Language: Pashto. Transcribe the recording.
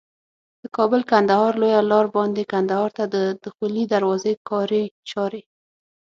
د کابل کندهار لویه لار باندي کندهار ته د دخولي دروازي کاري چاري